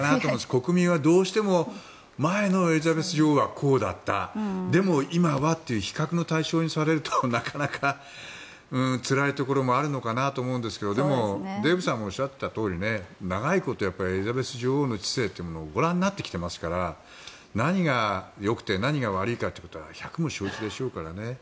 国民はどうしても前のエリザベス女王はこうだったでも今はって比較の対象にされるとなかなかつらいところもあるのかなと思うんですけどでも、デーブさんもおっしゃっていたとおり、長い間エリザベス女王の治世をご覧になってきてますから何が良くて何が悪いかというのは百も承知でしょうからね。